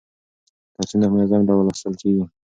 درسونه په منظم ډول لوستل کیږي.